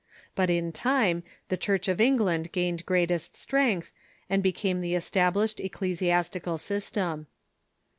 But in time the Church of England gained greatest strength, and became the established ecclesiastical system.